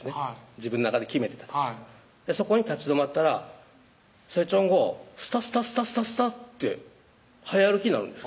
自分の中で決めてたそこに立ち止まったらさやちゃんがスタスタスタスタスタッて早歩きになるんです